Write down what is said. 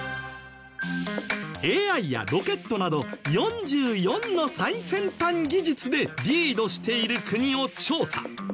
ＡＩやロケットなど４４の最先端技術でリードしている国を調査。